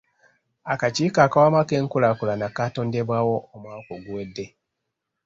Akakiiko ak'awamu ak'enkulaakulana kaatondebwawo omwaka oguwedde.